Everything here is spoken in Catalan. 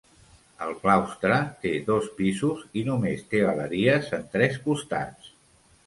El claustre té dos pisos i només té galeries en tres costats.